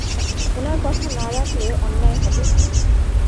ওনার কথা না রাখলে অন্যায় হবে।